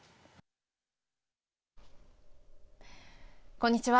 こんにちは。